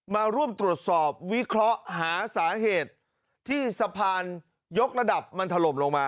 มาร่วมตรวจสอบวิเคราะห์หาสาเหตุที่สะพานยกระดับมันถล่มลงมา